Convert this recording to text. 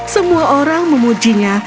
semua orang memujinya